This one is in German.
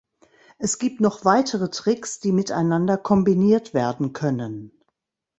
Es gibt noch weitere Tricks, die miteinander kombiniert werden können.